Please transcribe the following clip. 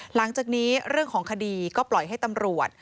หลังจากนี้เรื่องของคดีก็ปล่อยให้ตำรวจ